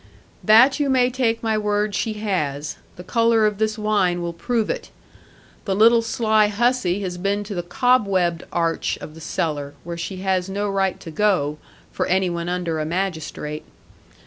'That you may take my word she has. The colour of this wine will prove it. The little sly hussy has been to the cobwebbed arch of the cellar, where she has no right to go, for any one under a magistrate.